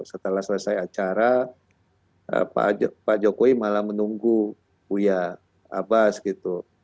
setelah selesai acara pak jokowi malah menunggu buya abbas gitu